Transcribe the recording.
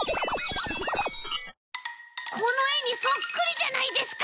このえにそっくりじゃないですか！